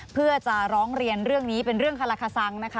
เพื่อจะร้องเรียนเรื่องนี้เป็นเรื่องคาราคาซังนะคะ